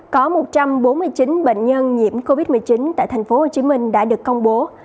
có một trăm bốn mươi chín bệnh nhân nhiễm covid một mươi chín tại tp hcm đã được công bố